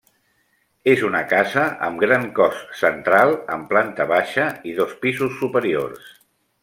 És una casa amb gran cos central amb planta baixa i dos pisos superiors.